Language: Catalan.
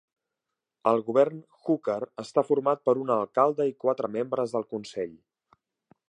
El govern Hooker està format per un alcalde i quatre membres del consell.